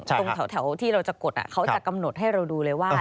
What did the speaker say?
ตรงแถวที่เราจะกดเขาจะกำหนดให้เราดูเลยว่า